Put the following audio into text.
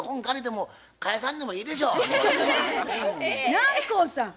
南光さん